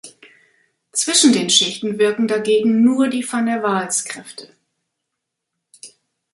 Zwischen den Schichten wirken dagegen nur die Van-der-Waals-Kräfte.